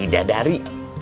eh yaudah yaudah yaudah yaudah